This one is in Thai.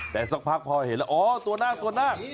แต่สักพักพ่อเห็นแล้วอ๋อตัวน่าง